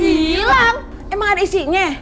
hahah ilang emang ada isinya